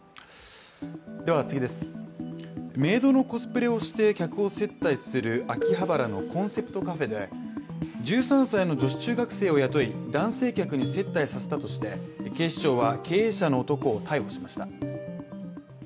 メイドのコスプレをして、客を接待する秋葉原のコンセプトカフェで１３歳の女子中学生を雇い男性客に接待させたとして、警視庁は経営者の男を逮捕しました。